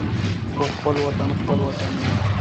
خو خپل وطن خپل وطن وي.